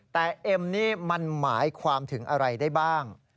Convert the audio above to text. แต่เอ็มนี่มันหมายความถึงอะไรได้บ้าง